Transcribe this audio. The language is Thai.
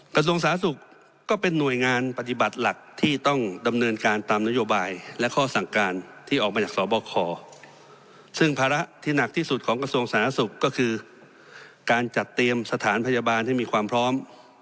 กระทรวงสาธารณสุขก็เป็นหน่วยงานปฏิบัติหลักที่ต้องดำเนินการตามนโยบายและข้อสั่งการที่ออกมาจากสบคซึ่งภาระที่หนักที่สุดของกระทรวงสาธารณสุขก็คือการจัดเตรียมสถานพยาบาลให้มีความพร้อม